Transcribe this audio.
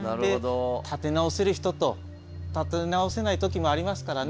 立て直せる人と立て直せない時もありますからね。